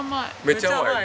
めっちゃ甘い。